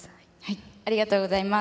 ありがとうございます。